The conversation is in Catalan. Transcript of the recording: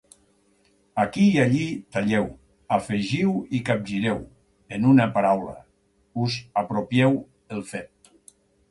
Aquí i allí talleu, afegiu i capgireu; en una paraula: us apropieu el fet